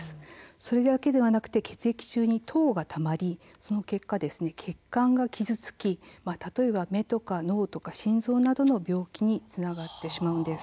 それだけではなくて、血液中に糖がたまり、その結果血管が傷つき、例えば目とか脳とか心臓などの病気につながってしまうんです。